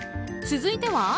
続いては。